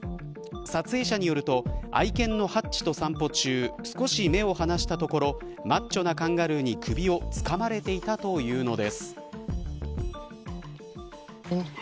撮影者によると愛犬のハッチと散歩中少し目を離したところマッチョなカンガルーに首をつかまれていたというのです。